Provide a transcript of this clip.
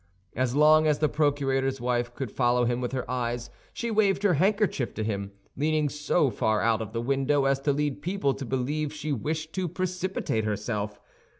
As long as the procurator's wife could follow him with her eyes, she waved her handkerchief to him, leaning so far out of the window as to lead people to believe she wished to precipitate herself.